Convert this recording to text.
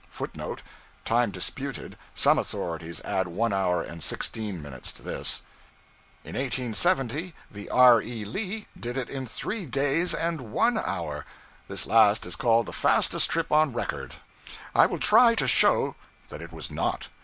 {footnote [Time disputed. Some authorities add 1 hour and 16 minutes to this.]} In 1870 the 'R. E. Lee' did it in three days and one hour. This last is called the fastest trip on record. I will try to show that it was not.